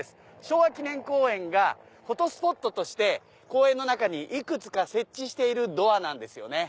昭和記念公園がフォトスポットとして公園の中にいくつか設置しているドアなんですよね。